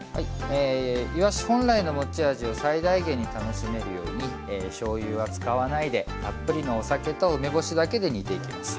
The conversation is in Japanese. いわし本来の持ち味を最大限に楽しめるようにしょうゆは使わないでたっぷりのお酒と梅干しだけで煮ていきます。